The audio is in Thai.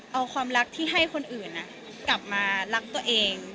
เอาความรักที่ให้คนอื่นกลับมารักตัวเอง